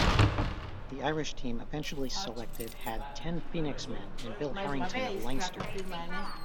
The Irish team eventually selected had ten Phoenix men and Bill Harrington of Leinster.